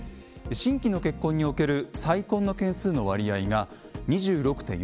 新規の結婚における再婚の件数の割合が２６．４％。